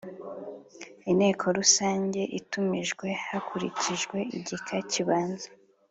Inteko rusange itumijwe hakurikijwe igika kibanza